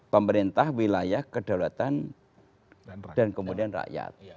pemerintah wilayah kedaulatan dan kemudian rakyat